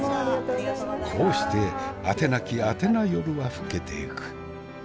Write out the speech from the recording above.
こうしてあてなきあてなよるは更けていく。